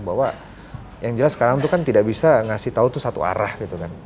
bahwa yang jelas sekarang itu kan tidak bisa ngasih tahu tuh satu arah gitu kan